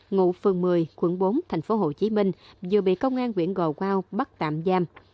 ngụ phường một mươi quận bốn thành phố hồ chí minh vừa bị công an nguyễn ngò quao bắt tạm giam